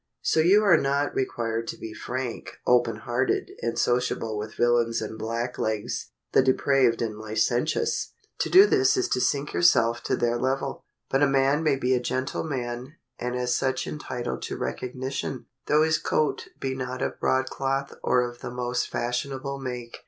So you are not required to be frank, open hearted, and sociable with villains and blacklegs, the depraved and licentious. To do this is to sink yourself to their level. But a man may be a gentleman, and as such entitled to recognition, though his coat be not of broadcloth or of the most fashionable make.